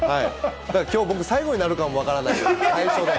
きょう、僕最後になるかも分からないですね、最初で。